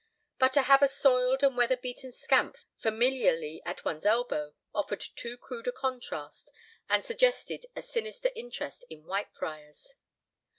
But to have a soiled and weather beaten scamp familiarly at one's elbow offered too crude a contrast, and suggested a sinister interest in Whitefriars.